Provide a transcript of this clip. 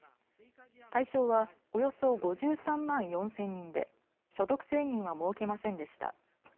対象はおよそ５３万４０００人で所得制限は設けませんでした。